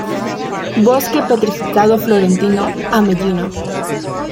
Bosque Petrificado Florentino Ameghino.